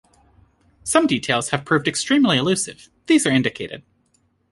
Some details have proved extremely elusive, these are indicated.